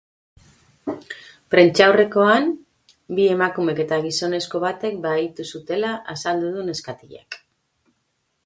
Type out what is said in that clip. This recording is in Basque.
Prentsaurrekoan, bi emakumek eta gizonezko batek bahitu zutela azaldu du neskatilak.